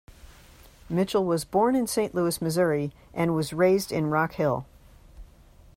Mitchell was born in Saint Louis, Missouri and was raised in Rock Hill.